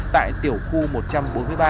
tại tiểu khu một trăm bốn mươi ba